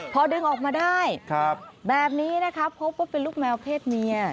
พอดึงออกมาได้แบบนี้นะคะพบว่าเป็นลูกแมวเพศเมีย